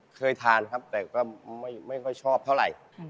เคยทานครับแต่ก็ไม่ค่อยชอบเท่าไหร่